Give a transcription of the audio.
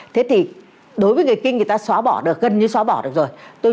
thế thì đối với người kinh người ta xóa bỏ được gần như xóa bỏ được rồi